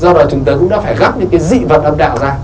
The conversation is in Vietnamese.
do đó chúng ta cũng đã phải gác những cái dị vật âm đạo ra